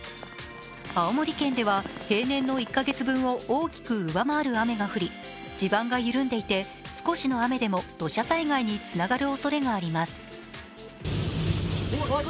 青森県では平年の１カ月分を大きく上回る雨が降り、地盤が緩んでいて、少しの雨でも土砂災害につながるおそれがあります。